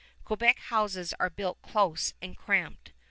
Quebec houses are built close and cramped.